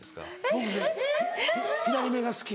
僕ね左目が好き。